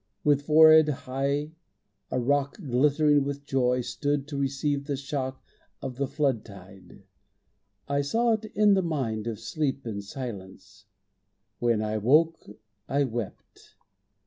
With forehead high, a rock, Glittering with joy, stood to receive the shock Of the flood tide. I saw it in the mind Of sleep and silence. When I woke, I wept.